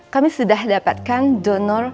kami sudah dapat kata kata yang baik pak